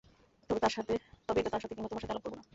তবে এটা তার সাথে কিংবা তোমার সাথে আলাপ করব না।